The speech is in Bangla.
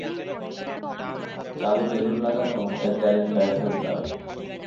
কালো বেলুন লাগানো এক গাড়ির ড্রাইভারের দ্বারা।